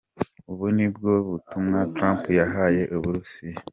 Ubu nibwo butumwa Trump yahaye Uburusiya.